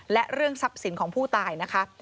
และเรื่องทรัพย์สินของผู้ตายนะคะ